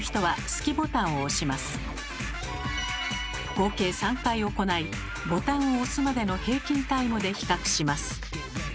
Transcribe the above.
合計３回行いボタンを押すまでの平均タイムで比較します。